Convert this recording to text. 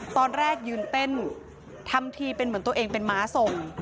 ตอนแรกยืนเต้นทำทีเป็นเหมือนตัวเองเป็นม้าทรง